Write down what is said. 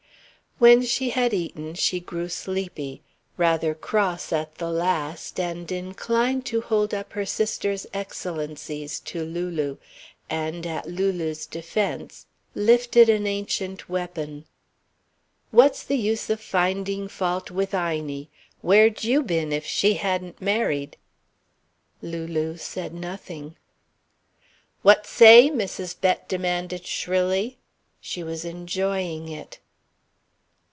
When she had eaten she grew sleepy rather cross at the last and inclined to hold up her sister's excellencies to Lulu; and, at Lulu's defence, lifted an ancient weapon. "What's the use of finding fault with Inie? Where'd you been if she hadn't married?" Lulu said nothing. "What say?" Mrs. Bett demanded shrilly. She was enjoying it.